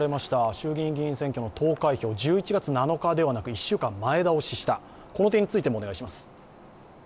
衆議院議員選挙の投開票、１１月７日ではなく１週間前倒しした、この点についてもお願いします。